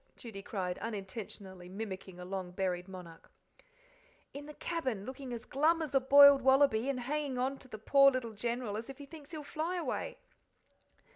Judy cried, unintentionally mimicking a long buried monarch. "In the cabin, looking as glum as a boiled wallaby, and hanging on to the poor little General as if he thinks he'll fly away."